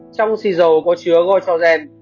trong xì dầu có chứa goitrogen